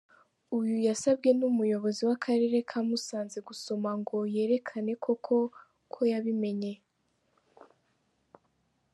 Uyu yasabwe n’umuyobozi w’akarere ka Musanze gusoma ngo yerekane ko koko yabimenye.